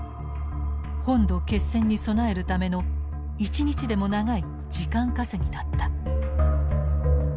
本土決戦に備えるための一日でも長い時間稼ぎだった。